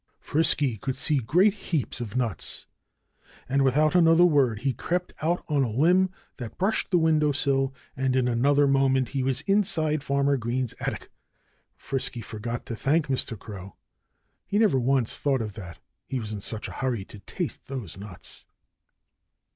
Frisky could see great heaps of nuts. And without another word he crept out on a limb that brushed the window sill and in another moment he was inside Farmer Green's attic. Frisky forgot to thank Mr. Crow. He never once thought of that, he was in such a hurry to taste those nuts.